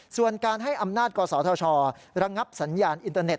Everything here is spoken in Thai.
ส่วนการให้อำนาจกศธชระงับสัญญาณอินเตอร์เน็